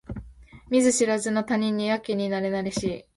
見ず知らずの他人にやけになれなれしい